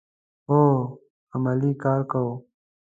هو، عملی کار کوو